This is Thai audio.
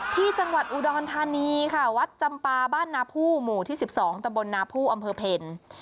ที่จังหวัดอุดรธานีค่ะวัดจำปาบ้านนาผู้หมู่ที่๑๒ตะบลนาผู้อำเภอเพล